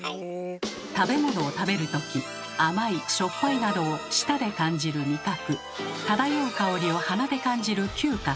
食べ物を食べるとき甘いしょっぱいなどを舌で感じる「味覚」漂う香りを鼻で感じる「嗅覚」